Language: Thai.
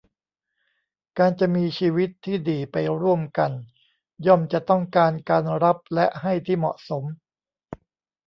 การจะมีชีวิตที่ดีไปร่วมกันย่อมจะต้องการการรับและให้ที่เหมาะสม